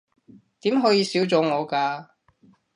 點可以少咗我㗎